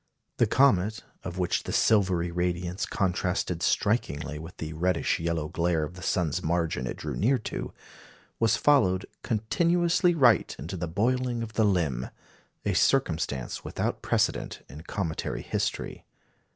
The comet, of which the silvery radiance contrasted strikingly with the reddish yellow glare of the sun's margin it drew near to, was followed "continuously right into the boiling of the limb" a circumstance without precedent in cometary history.